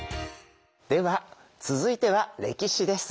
では続いては歴史です。